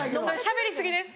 しゃべり過ぎです。